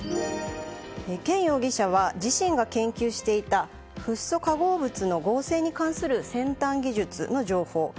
ケン容疑者は自身が研究していたフッ素化合物の合成に関する先端技術の情報。